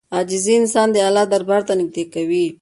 عاجزي انسان د الله دربار ته نږدې کوي.